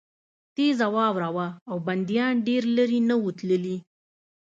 تېزه واوره وه او بندیان ډېر لېرې نه وو تللي